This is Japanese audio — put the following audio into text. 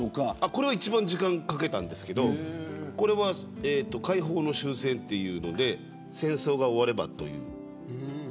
これは一番時間かけたんですがこれは解放の終戦というので戦争が終わればという。